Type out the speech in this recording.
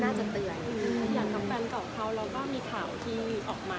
แล้วอย่างเก่าเป็นเก่าษองั้นเราก็มีข่าวที่ออกมา